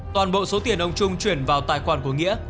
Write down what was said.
toàn bộ số tiền ông trung chuyển vào tài khoản của nghĩa